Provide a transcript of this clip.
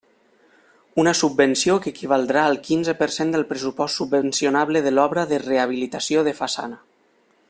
Una subvenció que equivaldrà al quinze per cent del pressupost subvencionable de l'obra de rehabilitació de façana.